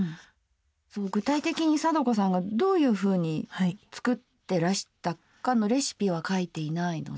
そう具体的に貞子さんがどういうふうに作ってらしたかのレシピは書いていないので。